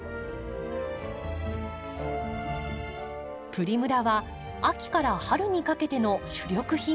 プリムラは秋から春にかけての主力品目。